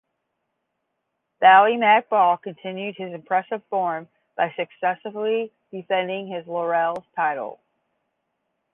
Ballymac Ball continued his impressive form by successfully defending his Laurels title.